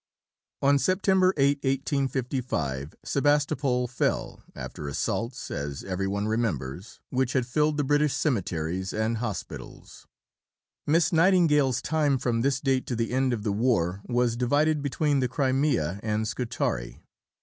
On September 8, 1855, Sebastopol fell, after assaults, as every one remembers, which had filled the British cemeteries and hospitals. Miss Nightingale's time from this date to the end of the war was divided between the Crimea and Scutari.